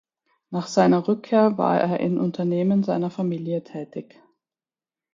Nach seiner Rückkehr war er in Unternehmen seiner Familie tätig.